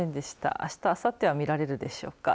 あした、あさっては見られるでしょうか。